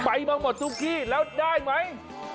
ไปมาหมดทุกที่แล้วได้ไหม